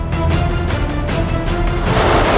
maaf pak man